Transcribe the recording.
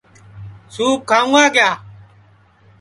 سُوپ کھاؤں گا